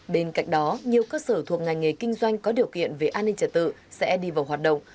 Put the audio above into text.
bên cạnh đó nhiều cơ sở thuộc ngành nghề kinh doanh có điều kiện về an ninh trả tự sẽ đi vào hoạt động